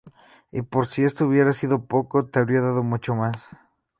Y por si esto hubiera sido poco, te habría dado mucho más.